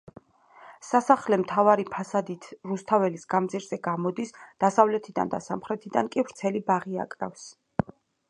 სასახლე მთავარი ფასადით რუსთაველის გამზირზე გამოდის, დასავლეთიდან და სამხრეთიდან კი ვრცელი ბაღი აკრავს.